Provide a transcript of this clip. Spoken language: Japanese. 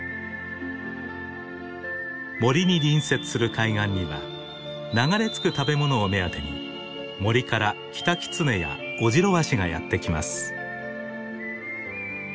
森に隣接する海岸には流れ着く食べ物を目当てに森からキタキツネやオジロワシがやって来ます。